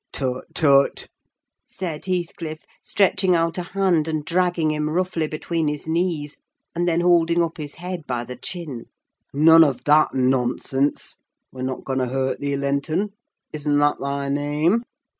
"Tut, tut!" said Heathcliff, stretching out a hand and dragging him roughly between his knees, and then holding up his head by the chin. "None of that nonsense! We're not going to hurt thee, Linton—isn't that thy name?